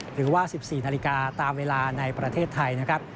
หรือว่า๑๔นาฬิกาตามเวลาในประเทศไทยนะครับ